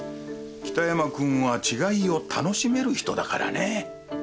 北山君は違いを楽しめる人だからね。